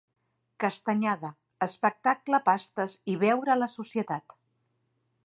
Castanyada: espectacle, pastes i beure a la societat.